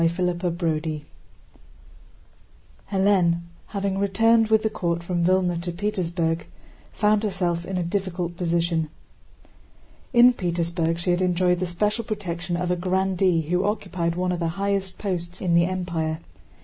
CHAPTER VI Hélène, having returned with the court from Vílna to Petersburg, found herself in a difficult position. In Petersburg she had enjoyed the special protection of a grandee who occupied one of the highest posts in the Empire.